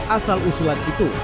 asal usulan itu